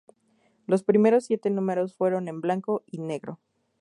Los primeros siete números fueron en blanco y negro.